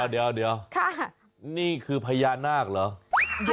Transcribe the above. เดี๋ยวนี่คือพญานาคเหรอ